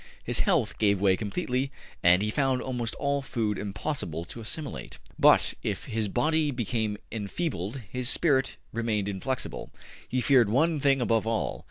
His health gave way completely, and he found almost all food impossible to assimilate. ``But, if his body became enfeebled, his spirit remained inflexible. He feared one thing above all.